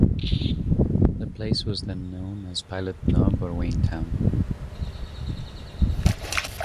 The place was then known as Pilot Knob or Waintown.